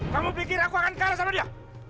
kamu pikir aku akan kalah sama dia